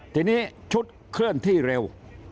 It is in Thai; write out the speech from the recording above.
ทีนี้ชุดเคลื่อนที่เร็ว